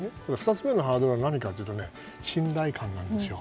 ２つ目のハードルは何かというと、信頼感なんですよ。